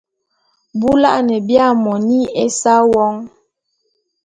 Bula’ane bia moni esa won !